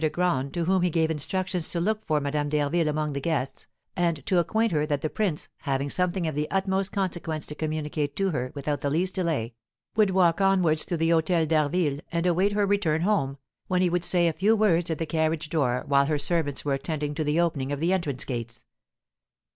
de Graün, to whom he gave instructions to look for Madame d'Harville among the guests, and to acquaint her that the prince, having something of the utmost consequence to communicate to her without the least delay, would walk onwards to the Hôtel d'Harville, and await her return home, when he would say a few words at the carriage door while her servants were attending to the opening of the entrance gates.